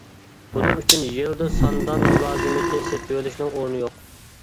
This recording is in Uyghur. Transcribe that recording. بۇنىڭ ئۈچۈن يىلدا ساندان مۇلازىمىتى سېتىۋېلىشىنىڭ ئورنى يوق.